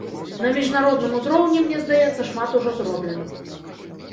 На міжнародным узроўні, мне здаецца, шмат ужо зроблена.